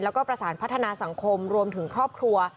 แล้วก็ประสานพัฒนาสังคมรวมถึงครอบครัว